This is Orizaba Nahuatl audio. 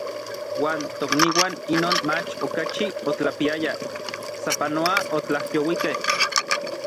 Uan tokniuan inon mach okachi otlapiayaj, sapanoa otlajyouikej.